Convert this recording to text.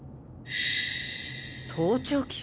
盗聴器？